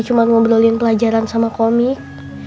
cuma ngobrolin pelajaran sama komik